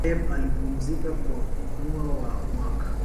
pep alipumzika kwa muwa wa mwaka